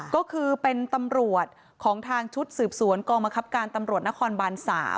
ก็คือเป็นตำรวจของทางชุดสืบสวนกองบังคับการตำรวจนครบาน๓